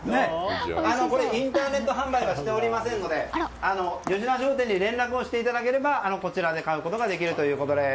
インターネット販売はしておりませんので吉田商店に連絡していただければこちらで買えるということです。